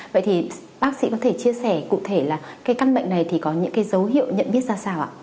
vậy thì bác sĩ có thể chia sẻ cụ thể là cái căn bệnh này thì có những cái dấu hiệu nhận biết ra sao ạ